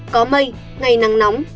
có mây ngày nắng nóng